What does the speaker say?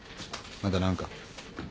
まだ何か？